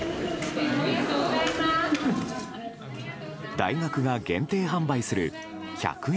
大学が限定販売する１００円